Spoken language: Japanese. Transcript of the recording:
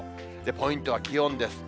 ポイントは気温です。